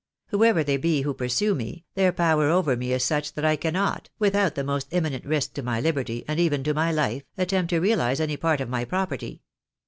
Whoever they be who pursue me, their power over me is such that I cannot, without the most imminent risk to my liberty, and even to my Ufe, attempt to realise any part of my property.